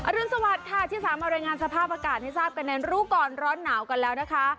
รุนสวัสดิ์ค่ะที่สามารถรายงานสภาพอากาศให้ทราบกันในรู้ก่อนร้อนหนาวกันแล้วนะคะ